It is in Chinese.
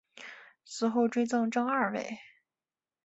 死后追赠正二位。